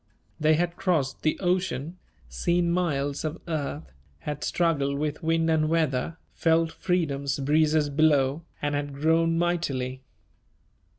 They had crossed the ocean, seen miles of earth, had struggled with wind and weather, felt freedom's breezes blow, and had grown mightily.